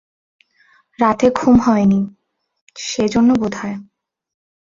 রাতে ঘুম হয় নি, সে-জন্য বোধহয়।